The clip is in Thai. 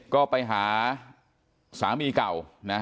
ก็ไปหาสามีเก่านะ